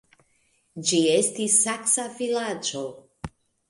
Ĝi estis saksa vilaĝo.